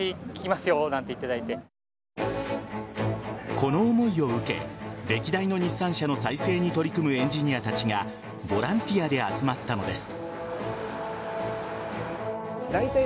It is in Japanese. この思いを受け歴代の日産車の再生に取り組むエンジニアたちがボランティアで集まったのです。